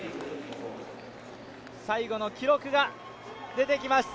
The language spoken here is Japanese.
最後の記録が出てきます。